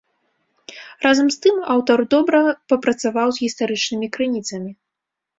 Разам з тым, аўтар добра папрацаваў з гістарычнымі крыніцамі.